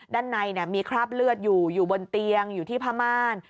ด้านในมีคราบเลือดอยู่อยู่บนเตียงอยู่ที่พม่าน